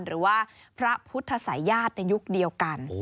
หรือว่าพระพุทธศัยญาติในยุคเดียวกัน